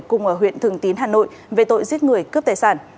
cùng ở huyện thường tín hà nội về tội giết người cướp tài sản